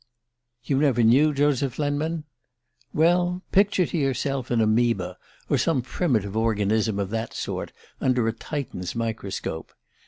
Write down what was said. "You never knew Joseph Lenman? Well, picture to yourself an amoeba or some primitive organism of that sort, under a Titan's microscope.